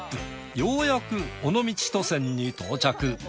ようやく尾道渡船に到着。